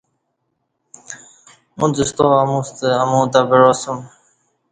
اُݩڅ ستا اموستہ امو تہ بعاسوم